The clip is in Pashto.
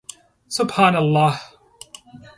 سبحان الله